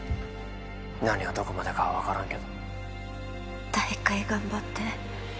何をどこまでかは分からんけど大会頑張って